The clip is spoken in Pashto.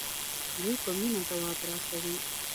دوی په مینه ځواب راکوي.